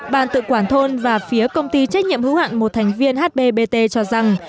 bàn tự quản thôn và phía công ty trách nhiệm hữu hạn một thành viên hbbt cho rằng